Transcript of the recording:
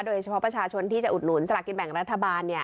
โดยเฉพาะประชาชนที่จะอุดหนุนสละกินแบ่งรัฐบาล